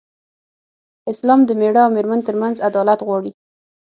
اسلام د مېړه او مېرمن تر منځ عدالت غواړي.